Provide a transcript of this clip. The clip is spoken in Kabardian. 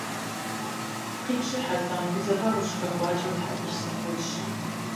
- Къипщхьэ-тӏэ, гузэвэгъуэ ущыхэхуакӏэ уи хьэтыр слъагъунщ.